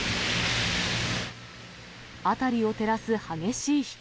辺りを照らす激しい光。